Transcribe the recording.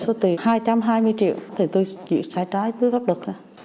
số tiền hai trăm hai mươi triệu thì tôi chịu sai trái tôi gấp được rồi